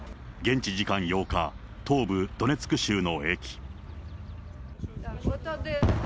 現地時間８日、東部ドネツク州の駅。